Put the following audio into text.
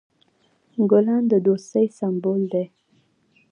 ګلان د دوستی سمبول دي.